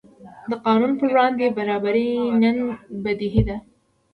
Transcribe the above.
د قانون پر وړاندې برابري نن بدیهي ده.